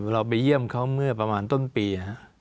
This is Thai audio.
เราไปเยี่ยมเขาเมื่อประมาณต้นปี